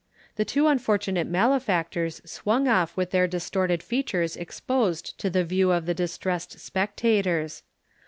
The two unfortunate malefactors swung off with their distorted features exposed to the view of the distressed spectators.